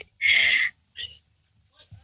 ค่ะ